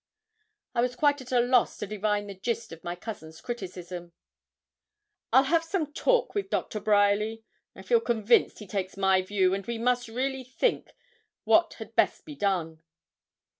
I was quite at a loss to divine the gist of my cousin's criticism. 'I'll have some talk with Dr. Bryerly; I feel convinced he takes my view, and we must really think what had best be done.'